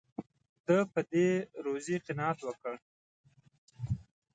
ده په دې روزي قناعت وکړ.